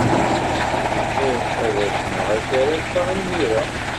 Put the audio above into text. Bɣiɣ ad azneɣ akaraf-a imir-a.